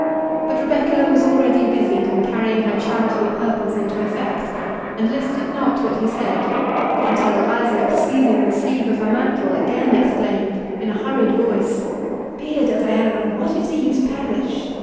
But Rebecca was already busied in carrying her charitable purpose into effect, and listed not what he said, until Isaac, seizing the sleeve of her mantle, again exclaimed, in a hurried voice—"Beard of Aaron!—what if the youth perish!